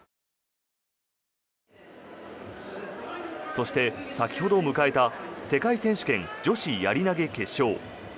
そして、先ほど迎えた世界選手権女子やり投決勝。